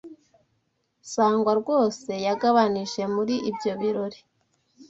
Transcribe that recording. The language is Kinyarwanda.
Sangwa rwose yagabanije muri ibyo birori.